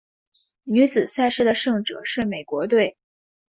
女子赛事的胜者是美国队。